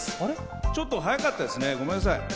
ちょっと早かったですね、ごめんなさい。